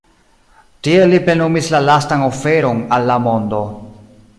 Tiel li plenumis la lastan oferon al la mondo.